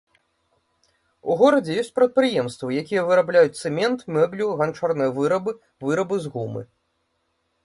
У горадзе ёсць прадпрыемствы, якія вырабляюць цэмент, мэблю, ганчарныя вырабы, вырабы з гумы.